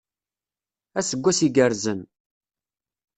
Aseggas iggerzen!